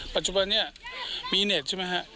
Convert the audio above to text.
ปัจจุบันนี้มีเน็ตใช่ไหมฮะ